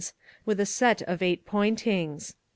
S with a set of eight pointings.